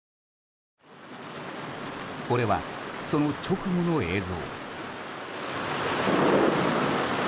これは、その直後の映像。